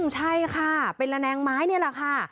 ใช่ค่ะเป็นระแนงไม้นี่แหละค่ะ